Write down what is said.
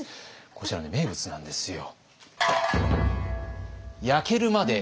こちらね名物なんですよ。